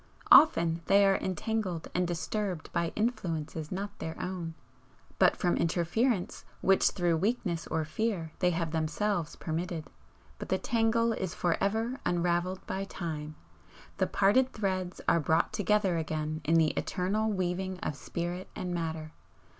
Often they are entangled and disturbed by influences not their own but from interference which through weakness or fear they have themselves permitted. But the tangle is for ever unravelled by Time, the parted threads are brought together again in the eternal weaving of Spirit and Matter.